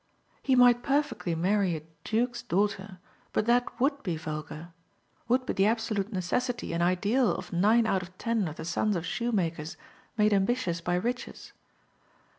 He might perfectly marry a duke's daughter, but that WOULD be vulgar would be the absolute necessity and ideal of nine out of ten of the sons of shoemakers made ambitious by riches.